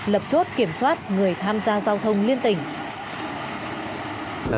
lập chốt kiểm soát người tham gia giao thông liên tỉnh